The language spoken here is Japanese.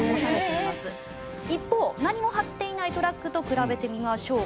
一方何も貼っていないトラックと比べてみましょう。